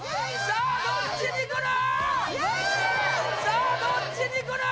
さあどっちに来る？